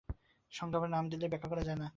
সংজ্ঞা বা নাম দিলেই ব্যাখ্যা করা হয় না।